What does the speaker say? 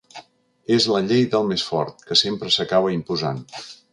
És la llei del més fort, que sempre s’acaba imposant.